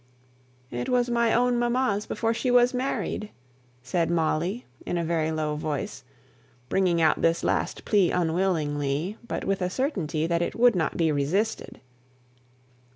"It was my own mamma's before she was married," said Molly, in a very low voice; bringing out this last plea unwillingly, but with a certainty that it would not be resisted.